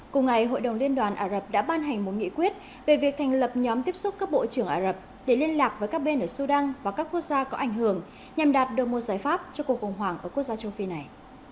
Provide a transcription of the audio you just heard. cùng ngày hội đồng liên đoàn ả rập đã ban hành một nghị quyết về việc thành lập nhóm tiếp xúc các bộ trưởng ả rập để liên lạc với các bên ở sudan và các quốc gia có ảnh hưởng nhằm đạt được một giải pháp cho cuộc khủng hoảng ở quốc gia trung phi này